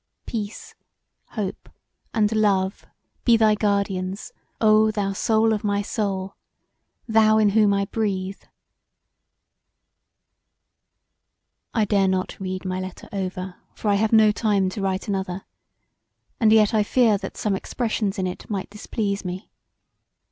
Peace, Hope and Love be thy guardians, oh, thou soul of my soul: thou in whom I breathe! ["]I dare not read my letter over for I have no time to write another, and yet I fear that some expressions in it might displease me.